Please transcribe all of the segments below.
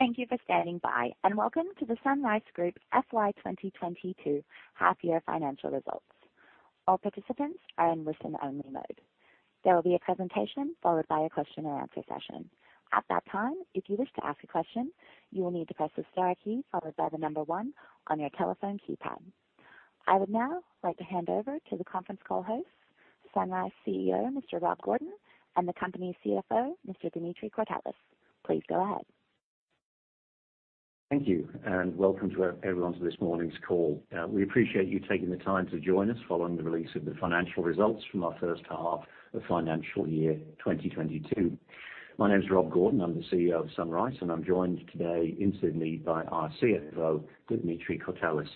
Thank you for standing by, and Welcome to the SunRice Group FY 2022 Half-Year Financial Results. All participants are in listen-only mode. There will be a presentation followed by a question and answer session. At that time, if you wish to ask a question, you will need to press the star key followed by the number one on your telephone keypad. I would now like to hand over to the conference call host, SunRice CEO, Mr. Rob Gordon, and the company CFO, Mr. Dimitri Courtelis. Please go ahead. Thank you, and welcome to everyone to this morning's call. We appreciate you taking the time to join us following the release of the financial results from our H1 of financial year 2022. My name is Rob Gordon. I'm the CEO of SunRice, and I'm joined today in Sydney by our CFO, Dimitri Courtelis.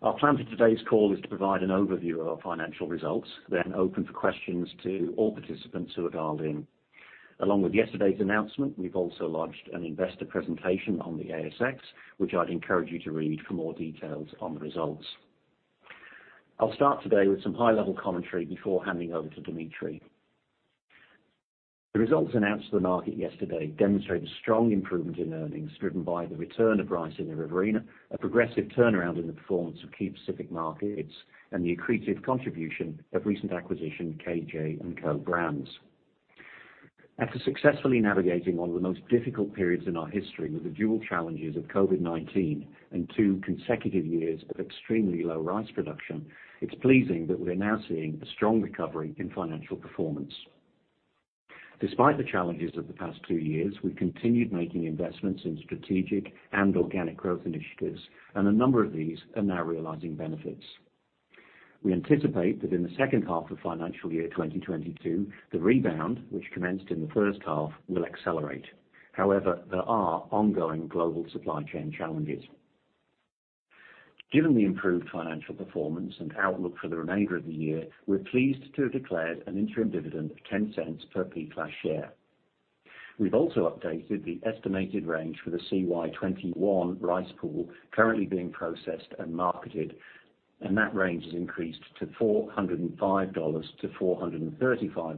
Our plan for today's call is to provide an overview of our financial results, then open for questions to all participants who have dialed in. Along with yesterday's announcement, we've also launched an investor presentation on the ASX, which I'd encourage you to read for more details on the results. I'll start today with some high-level commentary before handing over to Dimitri. The results announced to the market yesterday demonstrate a strong improvement in earnings driven by the return of rice in the Riverina, a progressive turnaround in the performance of key Pacific markets, and the accretive contribution of recent acquisition KJ&Co. Brands. After successfully navigating one of the most difficult periods in our history with the dual challenges of COVID-19 and two consecutive years of extremely low rice production, it's pleasing that we're now seeing a strong recovery in financial performance. Despite the challenges of the past two years, we've continued making investments in strategic and organic growth initiatives, and a number of these are now realizing benefits. We anticipate that in the H2 of financial year 2022, the rebound, which commenced in the H1, will accelerate. However, there are ongoing global supply chain challenges. Given the improved financial performance and outlook for the remainder of the year, we're pleased to have declared an interim dividend of 0.10 per B-class share. We've also updated the estimated range for the CY 2021 rice pool currently being processed and marketed, and that range has increased to 405-435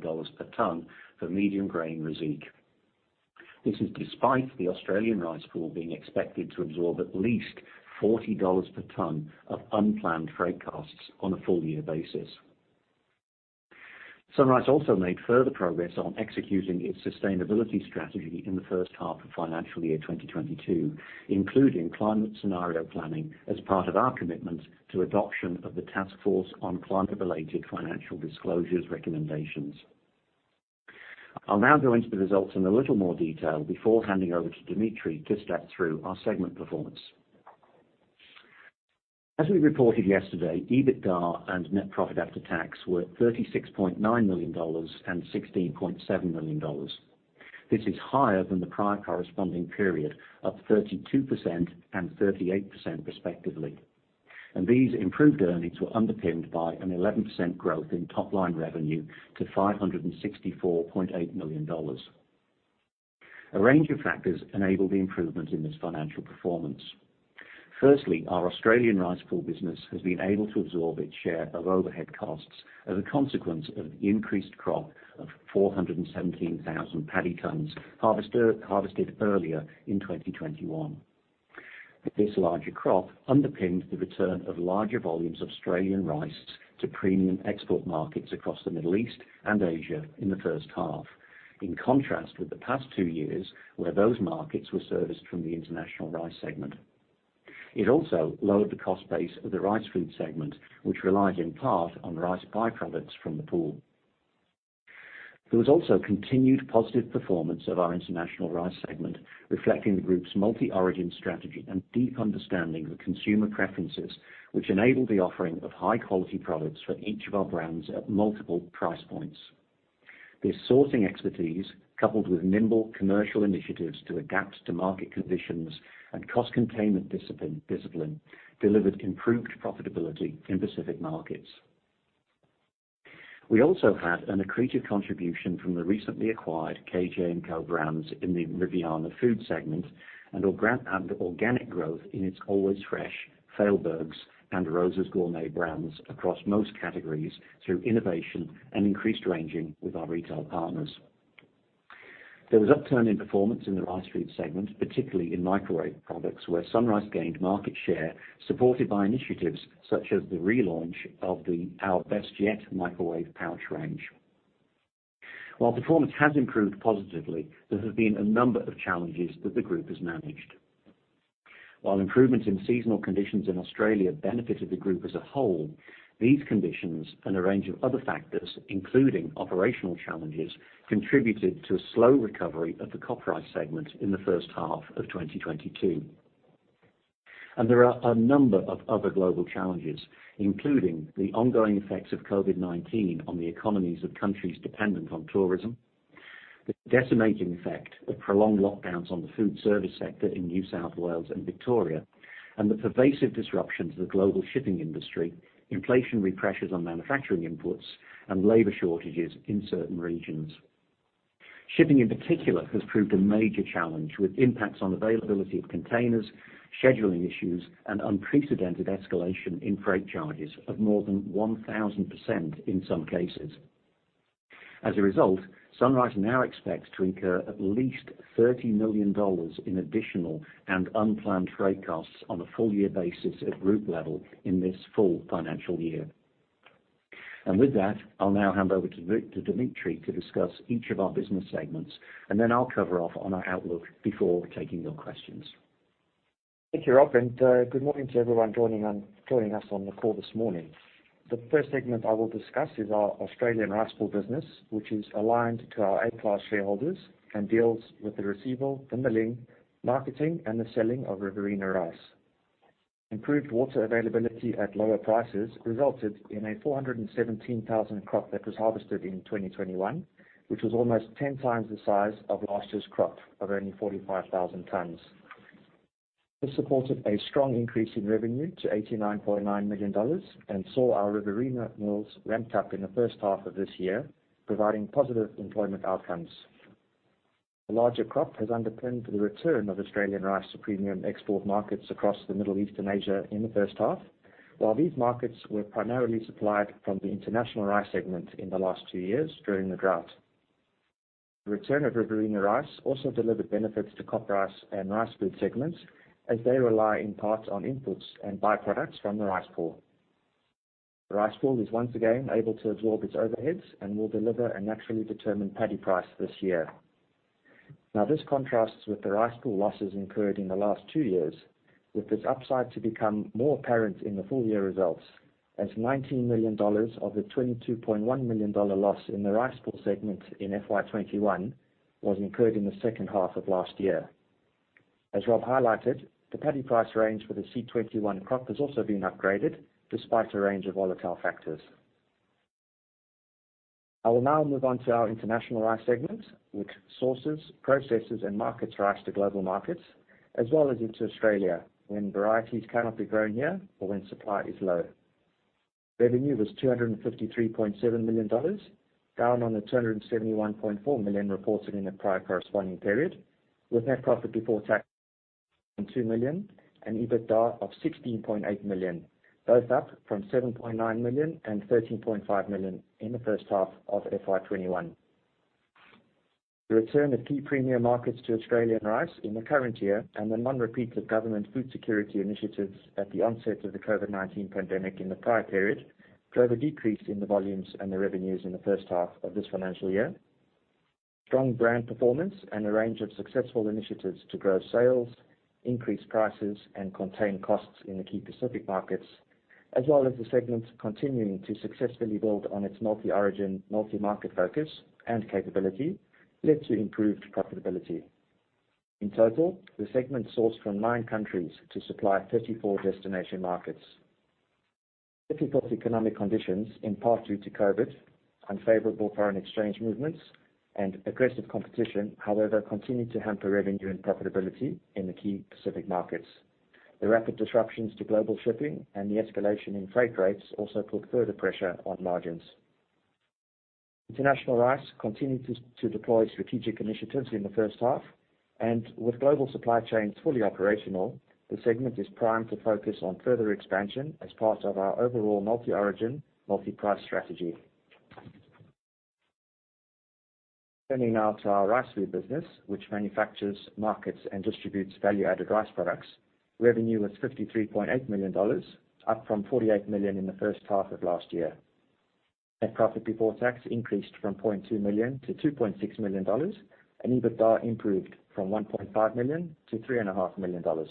dollars per tonne for medium grain Reiziq. This is despite the Australian rice pool being expected to absorb at least 40 dollars per tonne of unplanned freight costs on a full-year basis. SunRice also made further progress on executing its sustainability strategy in the H1 of financial year 2022, including climate scenario planning as part of our commitment to adoption of the Task Force on Climate-related Financial Disclosures recommendations. I'll now go into the results in a little more detail before handing over to Dimitri to step through our segment performance. As we reported yesterday, EBITDA and net profit after tax were 36.9 million dollars and 16.7 million dollars. This is higher than the prior corresponding period, up 32% and 38% respectively. These improved earnings were underpinned by an 11% growth in top-line revenue to 564.8 million dollars. A range of factors enabled the improvement in this financial performance. Firstly, our Australian rice pool business has been able to absorb its share of overhead costs as a consequence of increased crop of 417,000 paddy tonnes harvested earlier in 2021. This larger crop underpinned the return of larger volumes of Australian rice to premium export markets across the Middle East and Asia in the H1, in contrast with the past two years where those markets were serviced from the International Rice segment. It also lowered the cost base of the Rice Food segment, which relies in part on rice byproducts from the pool. There was also continued positive performance of our International Rice segment, reflecting the group's multi-origin strategy and deep understanding of consumer preferences, which enabled the offering of high-quality products for each of our brands at multiple price points. This sourcing expertise, coupled with nimble commercial initiatives to adapt to market conditions and cost containment discipline, delivered improved profitability in Pacific markets. We also had an accretive contribution from the recently acquired KJ&Co. Brands. Brands in the Riviana Foods segment and organic growth in its Always Fresh, Fehlbergs, and Roza's Gourmet brands across most categories through innovation and increased ranging with our retail partners. There was upturn in performance in the Rice Food segment, particularly in microwave products, where SunRice gained market share supported by initiatives such as the relaunch of the Our Best Yet microwave pouch range. While performance has improved positively, there have been a number of challenges that the group has managed. While improvements in seasonal conditions in Australia benefited the group as a whole, these conditions and a range of other factors, including operational challenges, contributed to a slow recovery of the CopRice segment in the H1 of 2022. There are a number of other global challenges, including the ongoing effects of COVID-19 on the economies of countries dependent on tourism, the decimating effect of prolonged lockdowns on the food service sector in New South Wales and Victoria, and the pervasive disruption to the global shipping industry, inflationary pressures on manufacturing inputs, and labor shortages in certain regions. Shipping in particular has proved a major challenge with impacts on availability of containers, scheduling issues, and unprecedented escalation in freight charges of more than 1,000% in some cases. As a result, SunRice now expects to incur at least 30 million dollars in additional and unplanned freight costs on a full year basis at group level in this full financial year. With that, I'll now hand over to Dimitri to discuss each of our business segments, and then I'll cover off on our outlook before taking your questions. Thank you, Rob, and good morning to everyone joining us on the call this morning. The first segment I will discuss is our Australian rice pool business, which is aligned to our A Class shareholders and deals with the receival, the milling, marketing, and the selling of Riverina rice. Improved water availability at lower prices resulted in a 417,000 crop that was harvested in 2021, which was almost ten times the size of last year's crop of only 45,000 tons. This supported a strong increase in revenue to 89.9 million dollars and saw our Riverina mills ramped up in the H1 of this year, providing positive employment outcomes. The larger crop has underpinned the return of Australian rice to premium export markets across the Middle East and Asia in the H1. While these markets were primarily supplied from the International Rice segment in the last two years during the drought. The return of Riverina rice also delivered benefits to CopRice and Rice Food segments as they rely in part on inputs and by-products from the rice pool. The rice pool is once again able to absorb its overheads and will deliver a naturally determined paddy price this year. Now, this contrasts with the rice pool losses incurred in the last two years, with this upside to become more apparent in the full year results, as 19 million dollars of the 22.1 million dollar loss in the rice pool segment in FY 2021 was incurred in the H2 of last year. As Rob highlighted, the paddy price range for the 2021 crop has also been upgraded despite a range of volatile factors. I will now move on to our International Rice segment, which sources, processes, and markets rice to global markets as well as into Australia when varieties cannot be grown here or when supply is low. Revenue was 253.7 million dollars, down on the 271.4 million reported in the prior corresponding period, with net profit before tax of 2 million and EBITDA of 16.8 million, both up from 7.9 million and 13.5 million in the H1 of FY 2021. The return of key premium markets to Australian rice in the current year and the non-repeat of government food security initiatives at the onset of the COVID-19 pandemic in the prior period drove a decrease in the volumes and the revenues in the H1 of this financial year. Strong brand performance and a range of successful initiatives to grow sales, increase prices, and contain costs in the key Pacific markets, as well as the segment continuing to successfully build on its multi-origin, multi-market focus and capability led to improved profitability. In total, the segment sourced from nine countries to supply 34 destination markets. Difficult economic conditions, in part due to COVID-19, unfavorable foreign exchange movements, and aggressive competition, however, continued to hamper revenue and profitability in the key Pacific markets. The rapid disruptions to global shipping and the escalation in freight rates also put further pressure on margins. International Rice continued to deploy strategic initiatives in the H1, and with global supply chains fully operational, the segment is primed to focus on further expansion as part of our overall multi-origin, multi-price strategy. Turning now to our Rice Food business, which manufactures, markets and distributes value-added rice products. Revenue was 53.8 million dollars, up from 48 million in the H1 of last year. Net profit before tax increased from 2 million to 2.6 million dollars, and EBITDA improved from 1.5 million to 3.5 million dollars.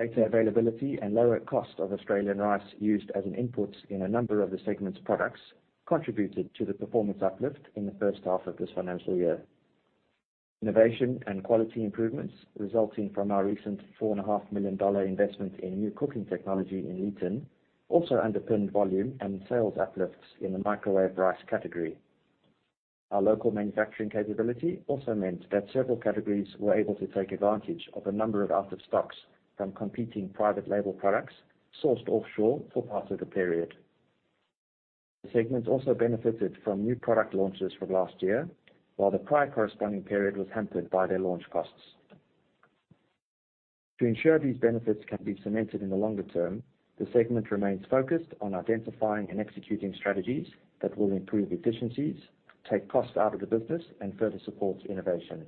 Data availability and lower cost of Australian rice used as an input in a number of the segment's products contributed to the performance uplift in the H1 of this financial year. Innovation and quality improvements resulting from our recent 4.5 million dollar investment in new cooking technology in Leeton also underpinned volume and sales uplifts in the microwave rice category. Our local manufacturing capability also meant that several categories were able to take advantage of a number of out of stocks from competing private label products sourced offshore for part of the period. The segment also benefited from new product launches from last year, while the prior corresponding period was hampered by their launch costs. To ensure these benefits can be cemented in the longer term, the segment remains focused on identifying and executing strategies that will improve efficiencies, take costs out of the business and further support innovation.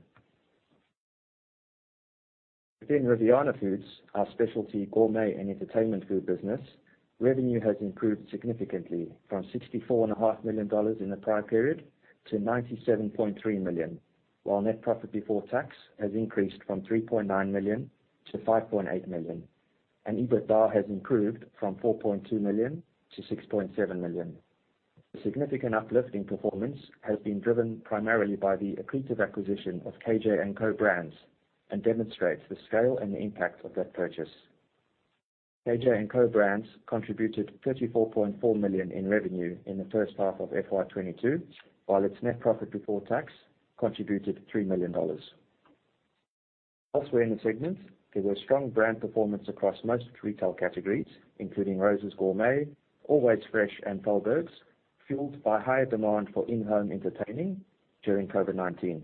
Within Riviana Foods, our specialty gourmet and entertainment food business, revenue has improved significantly from 64.5 million dollars in the prior period to 97.3 million. While net profit before tax has increased from 3.9 million to 5.8 million, and EBITDA has improved from 4.2 million to 6.7 million. The significant uplift in performance has been driven primarily by the accretive acquisition of KJ&Co. Brands and demonstrates the scale and impact of that purchase. KJ&Co. Brands contributed 34.4 million in revenue in the H1 of FY 2022, while its net profit before tax contributed 3 million dollars. Elsewhere in the segment, there was strong brand performance across most retail categories, including Roza's Gourmet, Always Fresh and Fehlbergs, fueled by higher demand for in-home entertaining during COVID-19.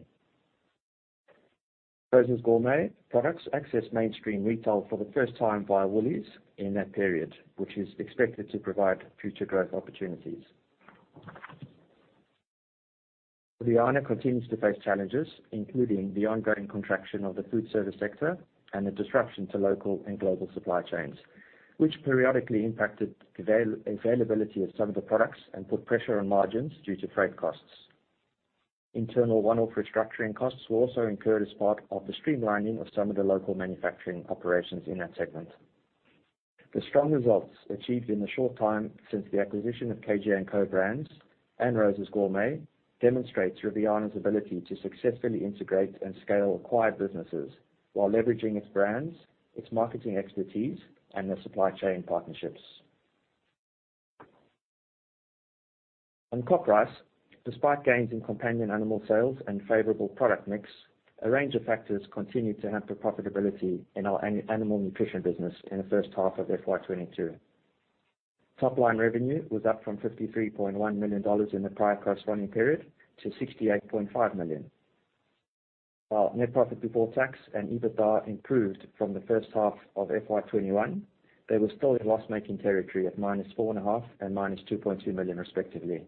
Roza's Gourmet products access mainstream retail for the first time via Woolies in that period, which is expected to provide future growth opportunities. Riviana continues to face challenges, including the ongoing contraction of the food service sector and the disruption to local and global supply chains, which periodically impacted availability of some of the products and put pressure on margins due to freight costs. Internal one-off restructuring costs were also incurred as part of the streamlining of some of the local manufacturing operations in that segment. The strong results achieved in the short time since the acquisition of KJ&Co. Brands and Roza's Gourmet demonstrates Riviana's ability to successfully integrate and scale acquired businesses while leveraging its brands, its marketing expertise, and the supply chain partnerships. On CopRice, despite gains in companion animal sales and favorable product mix, a range of factors continued to hamper profitability in our animal nutrition business in the H1 of FY 2022. Top line revenue was up from 53.1 million dollars in the prior corresponding period to 68.5 million. While net profit before tax and EBITDA improved from the H1 of FY 2021, they were still in loss-making territory at -4.5 million and -2.2 million respectively.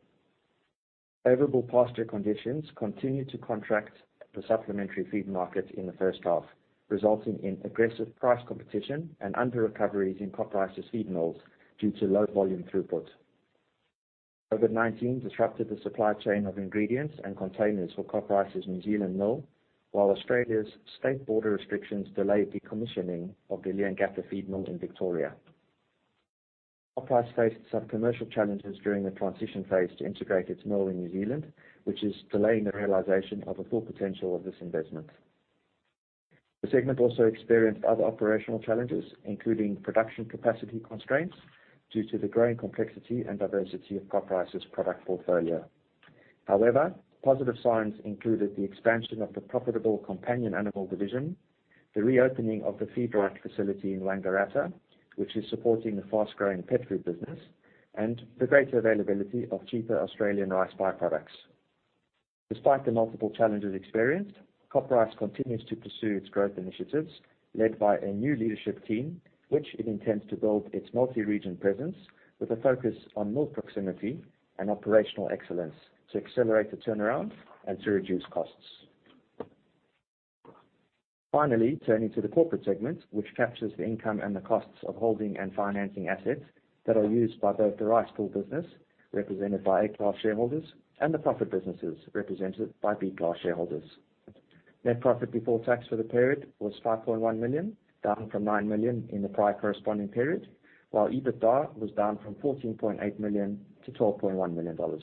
Favorable pasture conditions continued to contract the supplementary feed market in the H1, resulting in aggressive price competition and underrecoveries in CopRice's feed mills due to low volume throughput. COVID-19 disrupted the supply chain of ingredients and containers for CopRice's New Zealand mill, while Australia's state border restrictions delayed decommissioning of the Leongatha feed mill in Victoria. CopRice faced some commercial challenges during the transition phase to integrate its mill in New Zealand, which is delaying the realization of the full potential of this investment. The segment also experienced other operational challenges, including production capacity constraints due to the growing complexity and diversity of CopRice's product portfolio. However, positive signs included the expansion of the profitable companion animal division, the reopening of the feedworks facility in Wangaratta, which is supporting the fast-growing pet food business, and the greater availability of cheaper Australian rice byproducts. Despite the multiple challenges experienced, CopRice continues to pursue its growth initiatives led by a new leadership team, which it intends to build its multi-region presence with a focus on mill proximity and operational excellence to accelerate the turnaround and to reduce costs. Finally, turning to the Corporate segment, which captures the income and the costs of holding and financing assets that are used by both the rice pool business, represented by A Class shareholders, and the profit businesses, represented by B Class shareholders. Net profit before tax for the period was 1 million, down from 9 million in the prior corresponding period, while EBITDA was down from 14.8 million to 12.1 million dollars.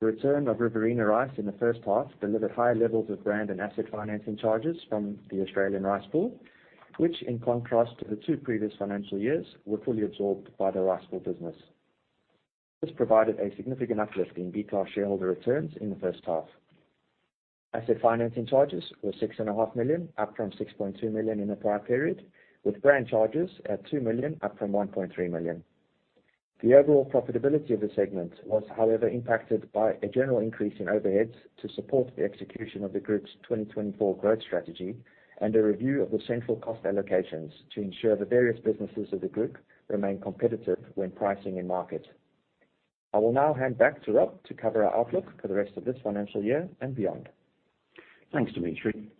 The return of Riverina Rice in the H1 delivered higher levels of brand and asset financing charges from the Australian rice pool, which, in contrast to the two previous financial years, were fully absorbed by the rice pool business. This provided a significant uplift in B Class shareholder returns in the H1. Asset financing charges were 6.5 million, up from 6.2 million in the prior period, with brand charges at 2 million, up from 1.3 million. The overall profitability of the segment was, however, impacted by a general increase in overheads to support the execution of the group's 2024 Growth Strategy and a review of the central cost allocations to ensure the various businesses of the group remain competitive when pricing in market. I will now hand back to Rob to cover our outlook for the rest of this financial year and beyond. Thanks, Dimitri.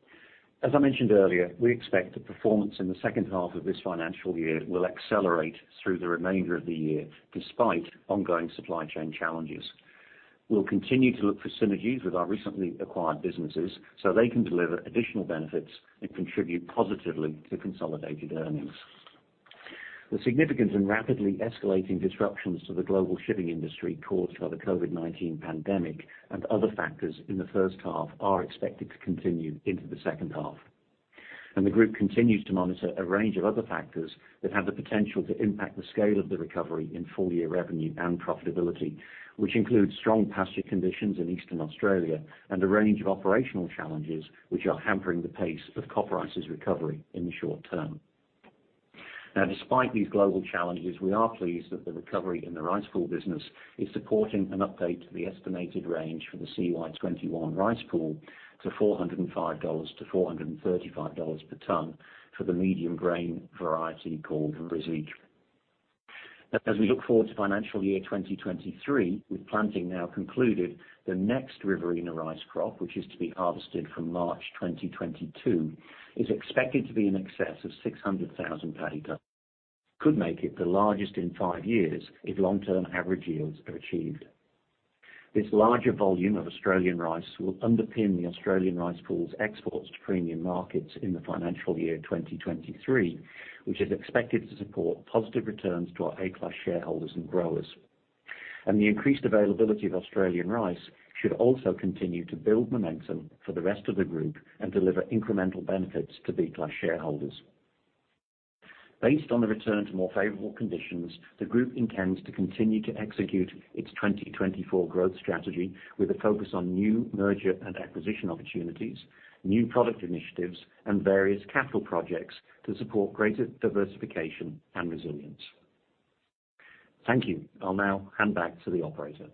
As I mentioned earlier, we expect the performance in the H2 of this financial year will accelerate through the remainder of the year, despite ongoing supply chain challenges. We'll continue to look for synergies with our recently acquired businesses, so they can deliver additional benefits and contribute positively to consolidated earnings. The significant and rapidly escalating disruptions to the global shipping industry caused by the COVID-19 pandemic and other factors in the H1 are expected to continue into the H2. The group continues to monitor a range of other factors that have the potential to impact the scale of the recovery in full-year revenue and profitability, which includes strong pasture conditions in Eastern Australia and a range of operational challenges which are hampering the pace of CopRice's recovery in the short term. Now, despite these global challenges, we are pleased that the recovery in the rice pool business is supporting an update to the estimated range for the CY 2021 rice pool to 405-435 dollars per ton for the medium grain variety called Reiziq. Now, as we look forward to FY 2023, with planting now concluded, the next Riverina rice crop, which is to be harvested from March 2022, is expected to be in excess of 600,000 paddies. Could make it the largest in 5 years if long-term average yields are achieved. This larger volume of Australian rice will underpin the Australian rice pool's exports to premium markets in the FY 2023, which is expected to support positive returns to our A Class shareholders and growers. The increased availability of Australian rice should also continue to build momentum for the rest of the group and deliver incremental benefits to B Class shareholders. Based on the return to more favorable conditions, the group intends to continue to execute its 2024 Growth Strategy with a focus on new merger and acquisition opportunities, new product initiatives, and various capital projects to support greater diversification and resilience. Thank you. I'll now hand back to the operator.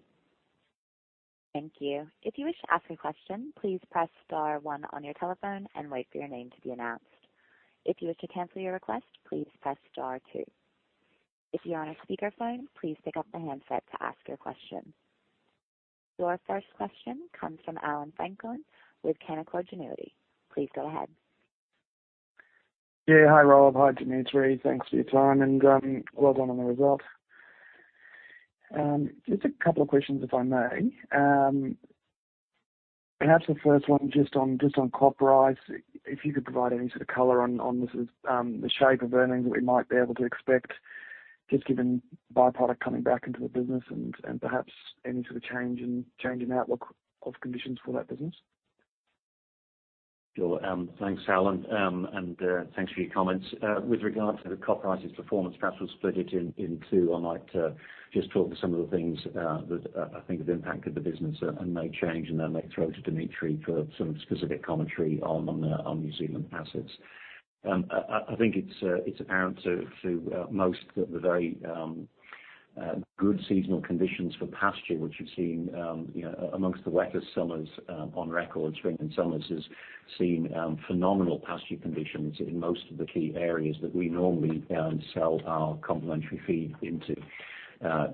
Your first question comes from Allan Franklin with Canaccord Genuity. Please go ahead. Yeah. Hi, Rob. Hi, Dimitri. Thanks for your time, and well done on the result. Just a couple of questions, if I may. Perhaps the first one just on CopRice, if you could provide any sort of color on the shape of earnings that we might be able to expect, just given byproduct coming back into the business and perhaps any sort of change in outlook of conditions for that business? Sure. Thanks, Allan. Thanks for your comments. With regards to the CopRice's performance, perhaps we'll split it in two. I might just talk to some of the things that I think have impacted the business and may change, and then may throw to Dimitri for some specific commentary on New Zealand assets. I think it's apparent to most that the very good seasonal conditions for pasture, which you've seen, you know, amongst the wettest summers on record, spring and summers has seen, phenomenal pasture conditions in most of the key areas that we normally sell our complementary feed into.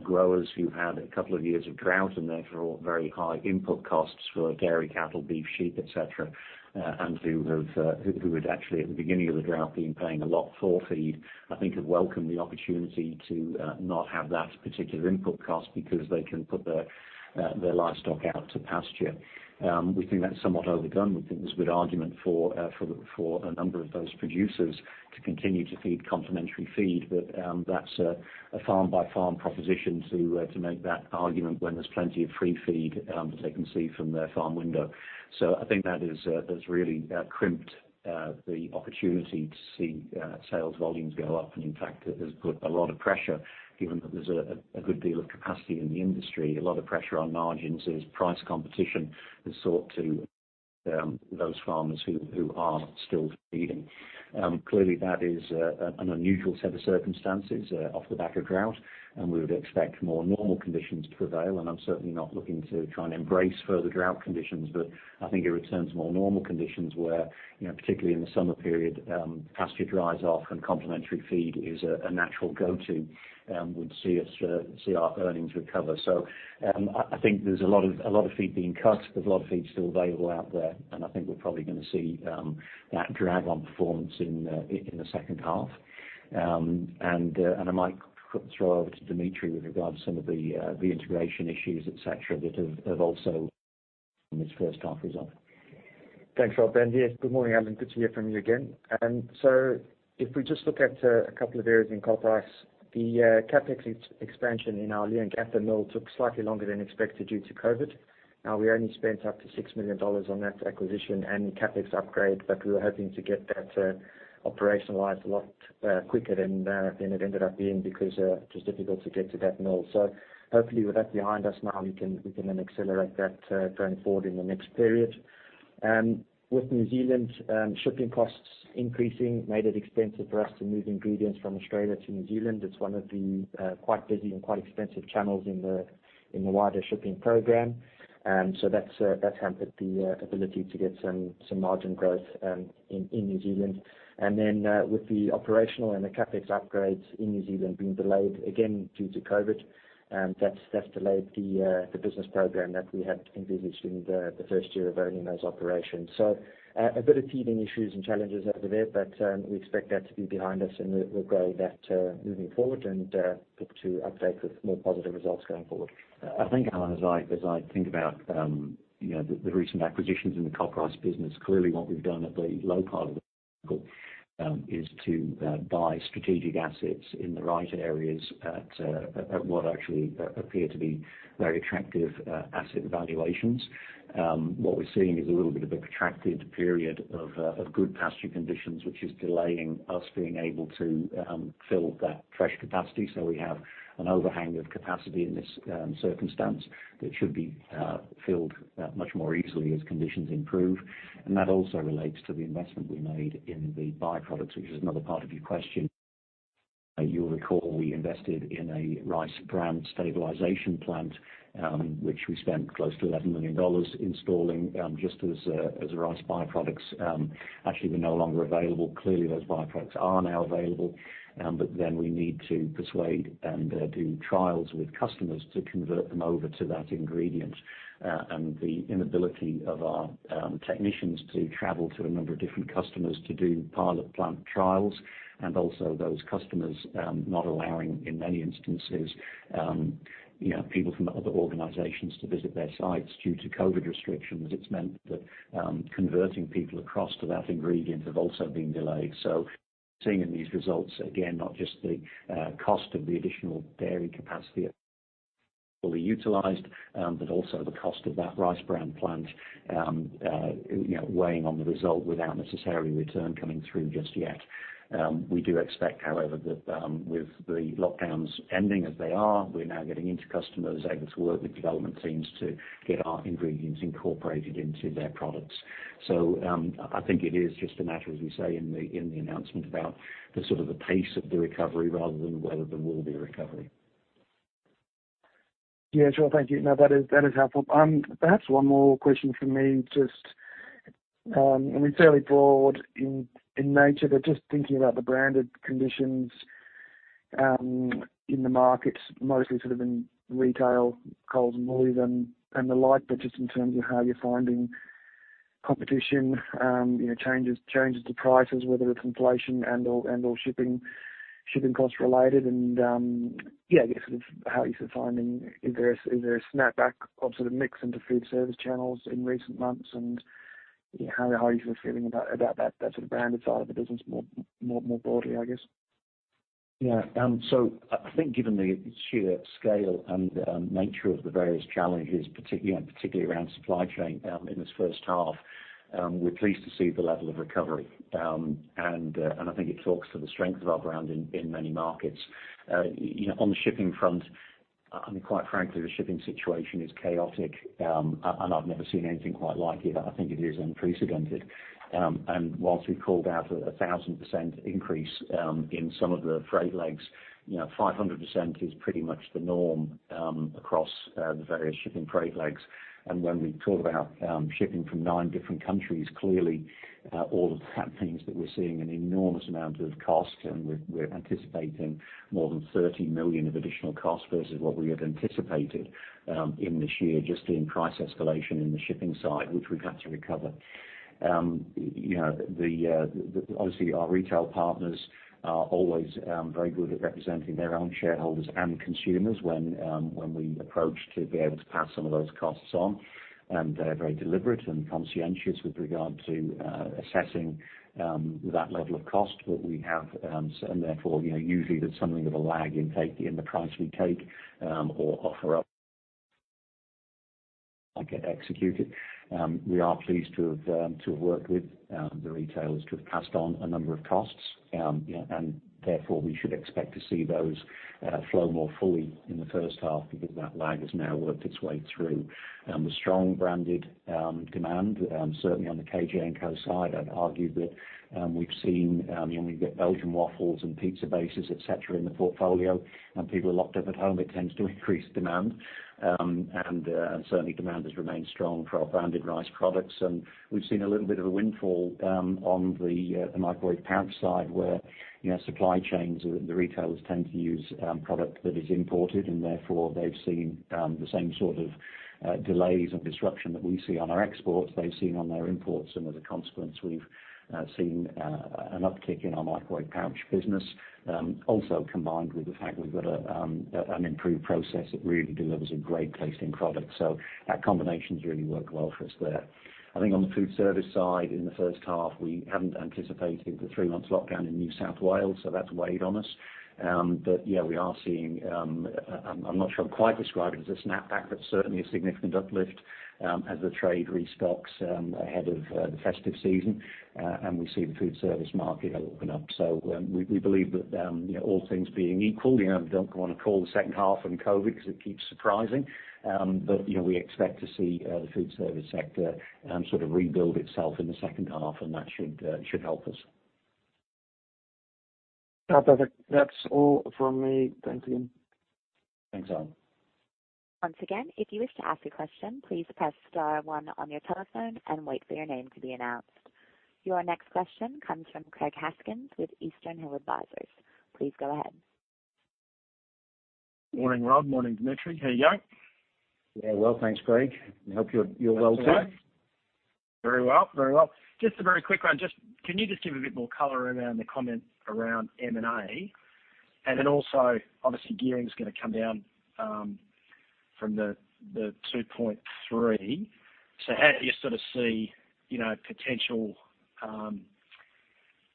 Growers who've had a couple of years of drought and therefore very high input costs for dairy, cattle, beef, sheep, etc., and who had actually at the beginning of the drought, been paying a lot for feed, I think have welcomed the opportunity to not have that particular input cost because they can put their livestock out to pasture. We think that's somewhat overdone. We think there's a good argument for a number of those producers to continue to feed complementary feed. That's a farm by farm proposition to make that argument when there's plenty of free feed that they can see from their farm window. I think that has really crimped the opportunity to see sales volumes go up. It in fact has put a lot of pressure, given that there's a good deal of capacity in the industry, a lot of pressure on margins as price competition has sought to those farmers who are still feeding. Clearly that is an unusual set of circumstances off the back of drought, and we would expect more normal conditions to prevail. I'm certainly not looking to try and embrace further drought conditions. I think it returns more normal conditions where, you know, particularly in the summer period, pasture dries off and complementary feed is a natural go-to, would see our earnings recover. I think there's a lot of feed being cut. There's a lot of feed still available out there, and I think we're probably gonna see that drag on performance in the H2. I might throw over to Dimitri with regards to some of the integration issues, etc., that have also this H1 result. Thanks, Rob, and yes, good morning, Allan. Good to hear from you again. So if we just look at a couple of areas in CopRice. The CapEx expansion in our Leongatha mill took slightly longer than expected due to COVID. Now, we only spent up to 6 million dollars on that acquisition and CapEx upgrade, but we were hoping to get that operationalized a lot quicker than it ended up being because just difficult to get to that mill. Hopefully with that behind us now we can then accelerate that going forward in the next period. With New Zealand shipping costs increasing made it expensive for us to move ingredients from Australia to New Zealand. It's one of the quite busy and quite expensive channels in the wider shipping program. That's hampered the ability to get some margin growth in New Zealand. With the operational and the CapEx upgrades in New Zealand being delayed again due to COVID, that's delayed the business program that we had envisaged in the first year of owning those operations. A bit of teething issues and challenges over there, but we expect that to be behind us, and we'll grow that moving forward and look to update with more positive results going forward. I think, Allan, as I think about you know, the recent acquisitions in the CopRice business, clearly what we've done at the low part of the cycle is to buy strategic assets in the right areas at what actually appear to be very attractive asset valuations. What we're seeing is a little bit of a protracted period of good pasture conditions, which is delaying us being able to fill that fresh capacity. So we have an overhang of capacity in this circumstance that should be filled much more easily as conditions improve. That also relates to the investment we made in the byproducts, which is another part of your question. You'll recall we invested in a rice bran stabilization plant, which we spent close to 11 million dollars installing, just as rice byproducts actually were no longer available. Clearly, those byproducts are now available. We need to persuade and do trials with customers to convert them over to that ingredient. The inability of our technicians to travel to a number of different customers to do pilot plant trials and also those customers not allowing, in many instances, you know, people from other organizations to visit their sites due to COVID restrictions, it's meant that converting people across to that ingredient have also been delayed. Seeing in these results, again, not just the cost of the additional dairy capacity fully utilized, but also the cost of that rice bran plant, you know, weighing on the result without necessarily return coming through just yet. We do expect, however, that with the lockdowns ending as they are, we're now getting into customers able to work with development teams to get our ingredients incorporated into their products. I think it is just a matter, as we say in the announcement about the pace of the recovery rather than whether there will be a recovery. Yeah, sure. Thank you. Now, that is helpful. Perhaps one more question from me. It's fairly broad in nature, but just thinking about the branded conditions in the markets, mostly sort of in retail, Coles and Woolies and the like, but just in terms of how you're finding competition, you know, changes to prices, whether it's inflation and/or shipping costs related. Yeah, I guess sort of how you're finding, is there a snapback of sort of mix into food service channels in recent months? You know, how are you sort of feeling about that sort of branded side of the business more broadly, I guess? Yeah. I think given the sheer scale and nature of the various challenges, particularly around supply chain, in this H1, we're pleased to see the level of recovery. And I think it talks to the strength of our brand in many markets. You know, on the shipping front, I mean, quite frankly, the shipping situation is chaotic. And I've never seen anything quite like it. I think it is unprecedented. And whilst we've called out a 1000% increase in some of the freight legs, you know, 500% is pretty much the norm across the various shipping freight legs. When we talk about shipping from nine different countries, clearly all of that means that we're seeing an enormous amount of cost, and we're anticipating more than 30 million of additional cost versus what we had anticipated in this year just in price escalation in the shipping side, which we've had to recover. You know, obviously our retail partners are always very good at representing their own shareholders and consumers when we approach to be able to pass some of those costs on. They're very deliberate and conscientious with regard to assessing that level of cost. We have, and therefore, you know, usually there's something of a lag in uptake in the price we take or offers we put up get executed. We are pleased to have worked with the retailers to have passed on a number of costs. Therefore we should expect to see those flow more fully in the H1 because that lag has now worked its way through. The strong branded demand, certainly on the KJ&Co. Side, I'd argue that we've seen, you know, when you get Belgian waffles and pizza bases, etc., in the portfolio and people are locked up at home, it tends to increase demand. Certainly demand has remained strong for our branded rice products. We've seen a little bit of a windfall on the microwave pouch side where, you know, supply chains, the retailers tend to use product that is imported, and therefore they've seen the same sort of delays and disruption that we see on our exports, they've seen on their imports. As a consequence, we've seen an uptick in our microwave pouch business. Also combined with the fact we've got an improved process that really delivers a great tasting product. That combination's really worked well for us there. I think on the food service side, in the H1, we hadn't anticipated the three-month lockdown in New South Wales, so that's weighed on us. Yeah, we are seeing, I'm not sure I'd quite describe it as a snapback, but certainly a significant uplift, as the trade restocks, ahead of the festive season, and we see the food service market open up. We believe that, you know, all things being equal, you know, don't wanna call the H2 on COVID because it keeps surprising. You know, we expect to see the food service sector sort of rebuild itself in the H2, and that should help us. No, perfect. That's all from me. Thanks again. Thanks, Allan. Once again, if you wish to ask a question, please press star one on your telephone and wait for your name to be announced. Your next question comes from Craig Haskins with Eastern Hill Advisors. Please go ahead. Morning, Rob. Morning, Dimitri. How are you going? Yeah, well, thanks, Craig. I hope you're well too. Very well. Just a very quick one. Can you just give a bit more color around the comment around M&A? Then also, obviously, gearing's gonna come down from the 2.3. How do you sort of see, you know, potential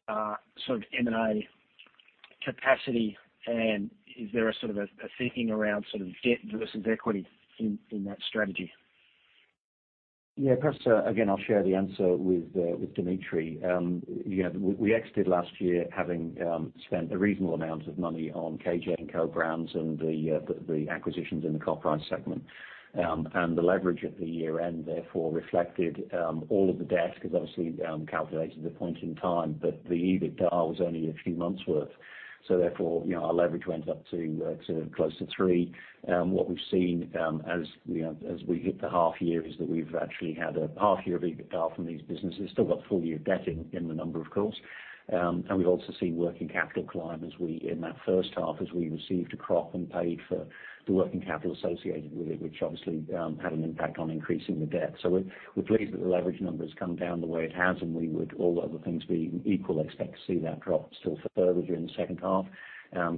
sort of M&A capacity? Is there a sort of thinking around sort of debt versus equity in that strategy? Yeah. Perhaps again, I'll share the answer with Dimitri. You know, we exited last year having spent a reasonable amount of money on KJ&Co. Brands and the acquisitions in the rice segment. The leverage at the year-end therefore reflected all of the debt because obviously, calculated at a point in time, but the EBITDA was only a few months' worth. Therefore, you know, our leverage went up to close to 3. What we've seen, as you know, as we hit the half year is that we've actually had a half year of EBITDA from these businesses. Still got full year benefit in the number, of course. We've also seen working capital climb as we, in that H1, as we received a crop and paid for the working capital associated with it, which obviously had an impact on increasing the debt. We're pleased that the leverage number has come down the way it has, and we would, all other things being equal, expect to see that drop still further during the H2.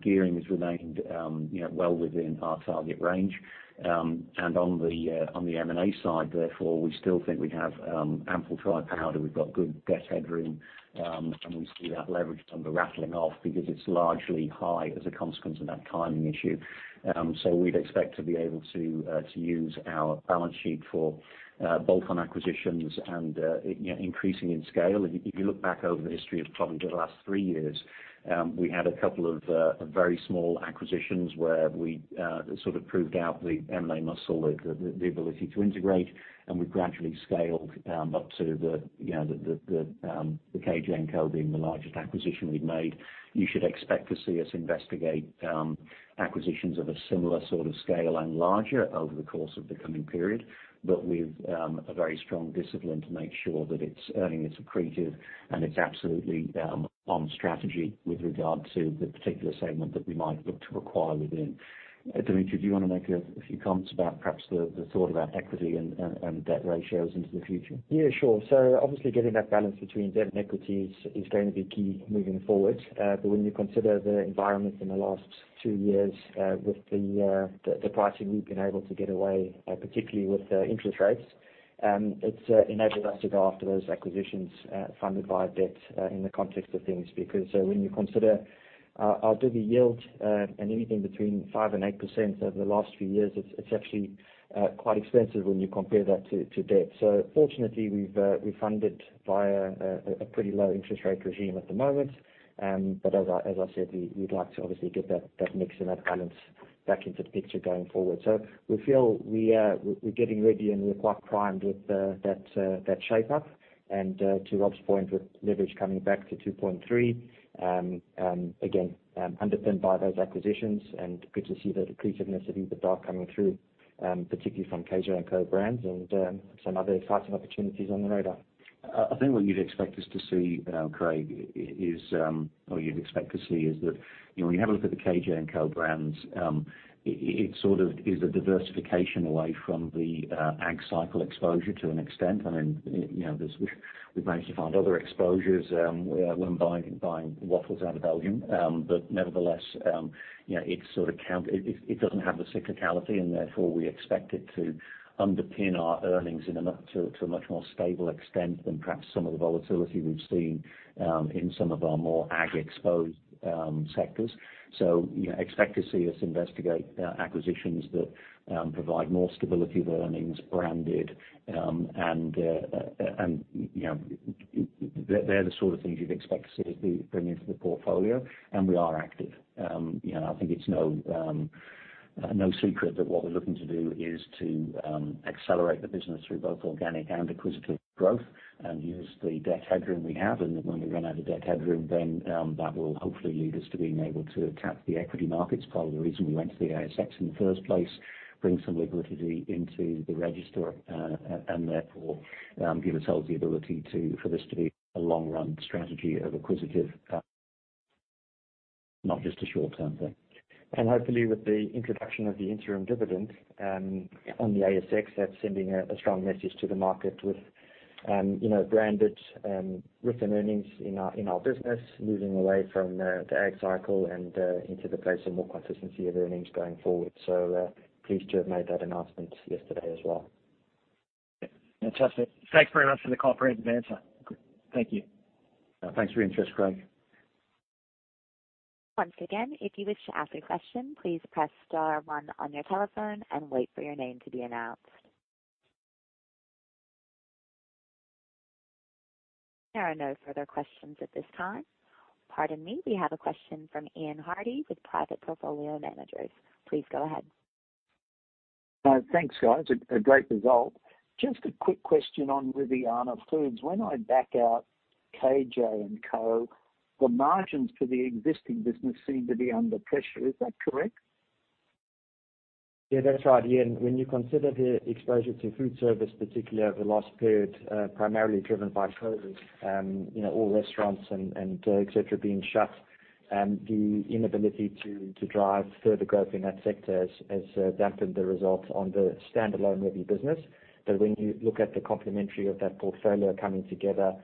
Gearing has remained, you know, well within our target range. On the M&A side, therefore, we still think we have ample dry powder. We've got good debt headroom, and we see that leverage number rattling off because it's largely high as a consequence of that timing issue. We'd expect to be able to use our balance sheet for bolt-on acquisitions and you know, increasing in scale. If you look back over the history of Top End over the last three years, we had a couple of very small acquisitions where we sort of proved out the M&A muscle, the ability to integrate, and we gradually scaled up to you know, the KJ&Co. Being the largest acquisition we've made. You should expect to see us investigate acquisitions of a similar sort of scale and larger over the course of the coming period. With a very strong discipline to make sure that it's earning, it's accretive, and it's absolutely on strategy with regard to the particular segment that we might look to acquire within. Dimitri, do you wanna make a few comments about perhaps the thought about equity and debt ratios into the future? Yeah, sure. So obviously getting that balance between debt and equity is going to be key moving forward. When you consider the environment in the last two years, with the pricing we've been able to get away with, particularly with interest rates, it's enabled us to go after those acquisitions, funded by debt, in the context of things. When you consider our dividend yield, and anything between 5%-8% over the last few years, it's actually Quite expensive when you compare that to debt. Fortunately, we've funded via a pretty low interest rate regime at the moment. As I said, we'd like to obviously get that mix and that balance back into the picture going forward. We feel we're getting ready, and we're quite primed with that shape up. To Rob's point, with leverage coming back to 2.3, again, underpinned by those acquisitions and good to see the assertiveness of the dollar coming through, particularly from KJ&Co. Brands and some other exciting opportunities on the radar. I think what you'd expect us to see, Craig, or you'd expect to see is that, you know, when you have a look at the KJ&Co. Brands, it sort of is a diversification away from the ag cycle exposure to an extent. I mean, you know, we've managed to find other exposures when buying waffles out of Belgium. But nevertheless, you know, it doesn't have the cyclicality, and therefore we expect it to underpin our earnings in a much more stable extent than perhaps some of the volatility we've seen in some of our more ag exposed sectors. You know, expect to see us investigate acquisitions that provide more stability of earnings, branded, and, you know, they're the sort of things you'd expect to see us be bringing to the portfolio, and we are active. You know, I think it's no secret that what we're looking to do is to accelerate the business through both organic and acquisitive growth and use the debt headroom we have. When we run out of debt headroom, then that will hopefully lead us to being able to tap the equity markets. Part of the reason we went to the ASX in the first place, bring some liquidity into the register, and therefore give ourselves the ability to, for this to be a long run strategy of acquisitive, not just a short-term thing. Hopefully with the introduction of the interim dividend on the ASX, that's sending a strong message to the market with, you know, branded written earnings in our business, moving away from the ag cycle and into the place of more consistency of earnings going forward. Pleased to have made that announcement yesterday as well. Fantastic. Thanks very much for the comprehensive answer. Thank you. Thanks for your interest, Craig. Once again, if you wish to ask a question, please press star one on your telephone and wait for your name to be announced. There are no further questions at this time. Pardon me, we have a question from Ian Hardy with Private Portfolio Managers. Please go ahead. Thanks, guys. A great result. Just a quick question on Riviana Foods. When I back out KJ&Co., the margins for the existing business seem to be under pressure. Is that correct? Yeah, that's right, Ian. When you consider the exposure to food service, particularly over the last period, primarily driven by COVID, you know, all restaurants and et cetera being shut, the inability to drive further growth in that sector has dampened the results on the standalone Rivy business. When you look at the complementary of that portfolio coming together,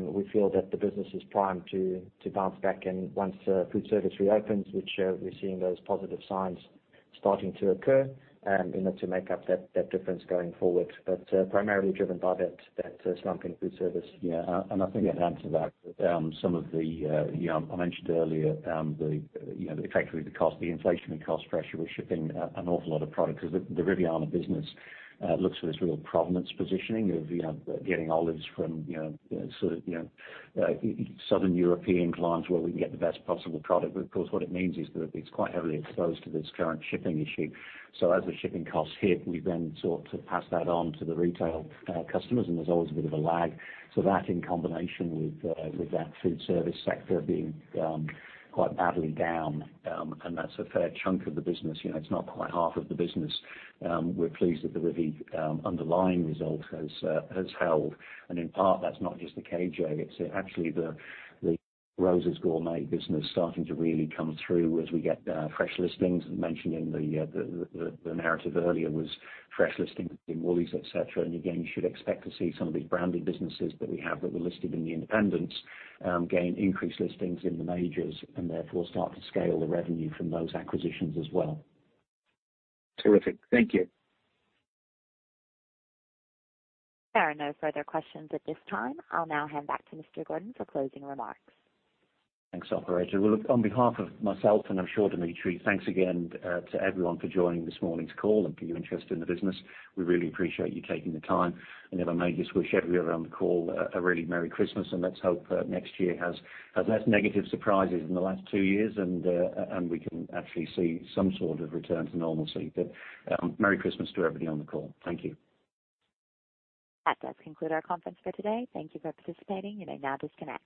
we feel that the business is primed to bounce back. Once food service reopens, which we're seeing those positive signs starting to occur, you know, to make up that difference going forward. Primarily driven by that slump in food service. Yeah. I think I'd add to that, some of the, you know, I mentioned earlier, the, you know, effectively the cost, the inflation and cost pressure with shipping, an awful lot of products 'cause the Riviana business looks for this real provenance positioning of, you know, getting olives from, you know, sort of, you know, Southern European clients where we can get the best possible product. Of course, what it means is that it's quite heavily exposed to this current shipping issue. As the shipping costs hit, we then sought to pass that on to the retail customers, and there's always a bit of a lag. That in combination with that food service sector being quite badly down, and that's a fair chunk of the business, you know, it's not quite half of the business. We're pleased that the Riviana underlying result has held. In part, that's not just the KJ. It's actually the Roza's Gourmet business starting to really come through as we get fresh listings. Mentioned in the narrative earlier was fresh listings in Woolies, etc. Again, you should expect to see some of these branded businesses that we have that were listed in the independents, gain increased listings in the majors and therefore start to scale the revenue from those acquisitions as well. Terrific. Thank you. There are no further questions at this time. I'll now hand back to Mr. Gordon for closing remarks. Thanks, operator. Well, look, on behalf of myself, and I'm sure Dimitri, thanks again to everyone for joining this morning's call and for your interest in the business. We really appreciate you taking the time. If I may just wish everyone on the call a really merry Christmas, and let's hope next year has less negative surprises than the last two years and we can actually see some sort of return to normalcy. Merry Christmas to everybody on the call. Thank you. That does conclude our conference for today. Thank you for participating. You may now disconnect.